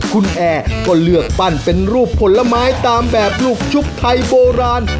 คุณแอร์ก็เลือกปั้นเป็นรูปผลไม้ตามแบบลูกชุบไทยโบราณ